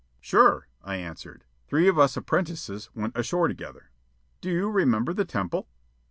"Sure," I answered. "Three of us apprentices went ashore together." "Do you remember the temple?"